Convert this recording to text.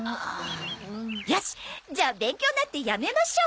よしじゃあ勉強なんてやめましょう！